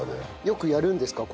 よくやるんですか？